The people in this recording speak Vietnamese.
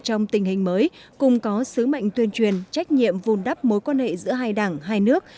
trong tình hình mới cùng có sứ mệnh tuyên truyền trách nhiệm vùn đắp mối quan hệ giữa hai đảng hai nước